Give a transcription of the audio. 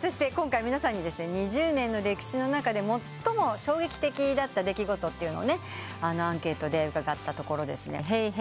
そして今回皆さんに２０年の歴史の中で最も衝撃的だった出来事をアンケートで伺ったところ『ＨＥＹ！ＨＥＹ！